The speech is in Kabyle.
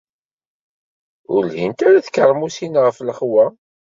Ur lhint ara tkermusin ɣef lexwa.